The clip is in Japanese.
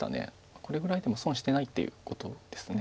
これぐらいでも損してないっていうことです。